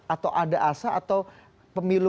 atau ada asa atau pemilu